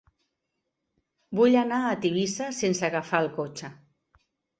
Vull anar a Tivissa sense agafar el cotxe.